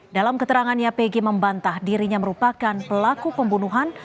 dalam keterangannya pg membantah dirinya merupakan pelaku pembunuhan